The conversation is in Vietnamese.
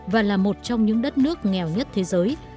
và là một trong những đất nước nghèo nhất thế giới